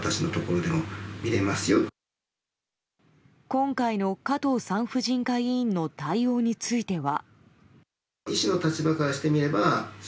今回の加藤産婦人科医院の対応については。